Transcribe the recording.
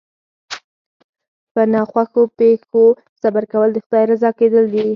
په ناخوښو پېښو صبر کول د خدای رضا کېدل دي.